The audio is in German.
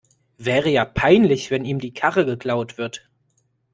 Wäre ja peinlich, wenn ihm die Karre geklaut wird.